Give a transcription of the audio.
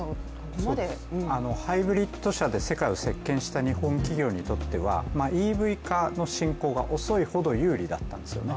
ハイブリッド車で世界を席けんした日本企業にとっては、ＥＶ化の進行が遅いほど有利だったんですよね。